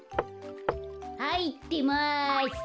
はいってます。